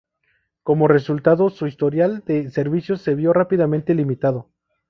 Como resultado, su historial de servicio se vio rápidamente limitado.